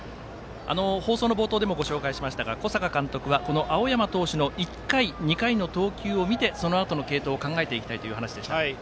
放送の冒頭でもご紹介しましたが小坂監督はこの青山投手の１回、２回の投球を見てそのあとの継投を考えていきたいという話でした。